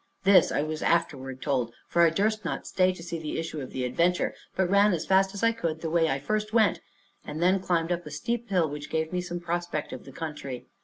This I was afterward told, for I durst not stay to see the issue of the adventure, but ran as fast as I could the way I first went, and then climbed up a steep hill, which gave me some prospect of the country.